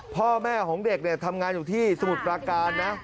พ่อแม่ของเด็กเนี่ยทำงานอยู่ที่สมุทรปราการนะ